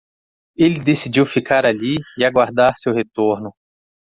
Ele decidiu ficar ali e aguardar seu retorno.